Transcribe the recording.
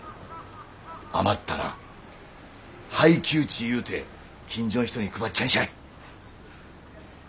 余ったら配給ち言うて近所ん人に配っちゃんしゃい。